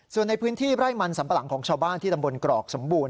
ส่วนในพื้นที่ไร่มันสัมปะหลังของชาวบ้านที่ตำบลกรอกสมบูรณ